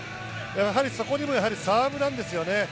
やはりそこにもサーブなんですよね。